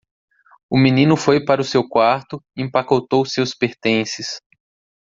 O menino foi para o seu quarto e empacotou seus pertences.